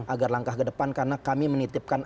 agar langkah ke depan karena kami menitipkan